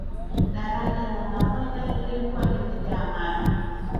daraja la nahodha lilikuwa limejaa maji